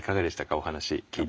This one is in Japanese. お話聞いて。